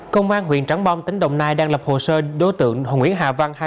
công an huyện trắng bong tỉnh đồng nai đang lập hồ sơ đối tượng hồ nguyễn hà văn